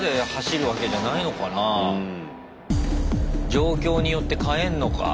状況によって変えんのか。